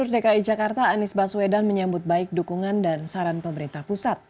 gubernur dki jakarta anies baswedan menyambut baik dukungan dan saran pemerintah pusat